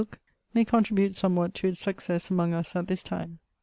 book may contribute some what to its success among us at this time.